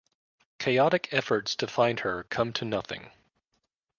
Chaotic efforts to find her come to nothing.